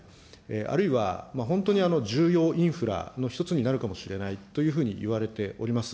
あるいは本当に重要インフラの１つになるかもしれないというふうにいわれております。